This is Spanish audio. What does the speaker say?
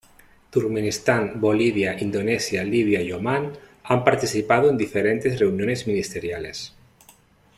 Turkmenistán, Bolivia, Indonesia, Libia y Omán han participado en diferentes reuniones ministeriales.